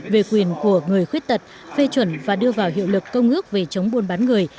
về quyền của người khuyết tật phê chuẩn và đưa vào hiệu lực công ước về chống buôn bán người